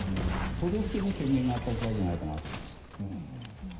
都道府県に権限があった時代じゃないかなと思います。